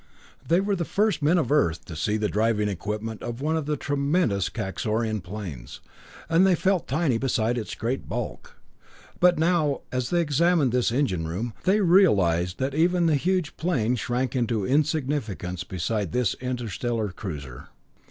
They were the first men of Earth to see the driving equipment of one of the tremendous Kaxorian planes, and they felt tiny beside its great bulk; but now, as they examined this engine room, they realized that even the huge plane shrank into insignificance beside this interstellar cruiser.